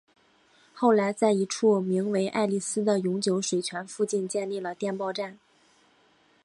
后来在一处名为爱丽斯的永久水泉附近建立了电报站。